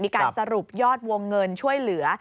มีการสรุปยอดวงเงินช่วยเหลือ